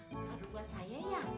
kadang buat saya ya